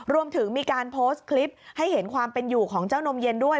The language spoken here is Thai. รวมถึงมีการโพสต์คลิปให้เห็นความเป็นอยู่ของเจ้านมเย็นด้วย